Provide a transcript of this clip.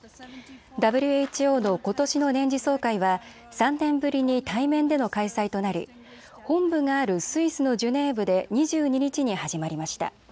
ＷＨＯのことしの年次総会は３年ぶりに対面での開催となり本部があるスイスのジュネーブで２２日に始まりました。